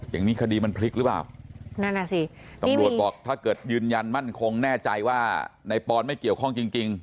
ตำรวจบอกถ้าเกิดยืนยันมั่นคงแน่ใจว่าในปอนไม่เกี่ยวข้องจริง